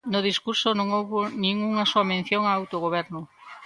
No discurso non houbo nin unha soa mención ao autogoberno.